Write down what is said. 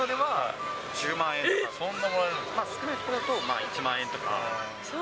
少ない人だと、１万円とか。